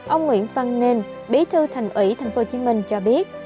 ông nguyễn văn nên bí thư thành ủy tp hcm cho biết